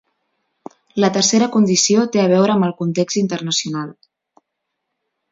La tercera condició té a veure amb el context internacional.